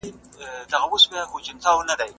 که استاد په املا کي له تصویرونو ګټه واخلي.